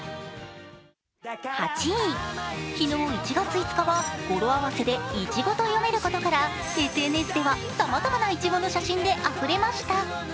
８位、昨日、１月５日は語呂合わせで「いちご」と読めることからＳＮＳでは、さまざまないちごの写真であふれました。